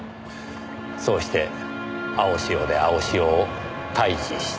そうして青潮で青潮を退治した。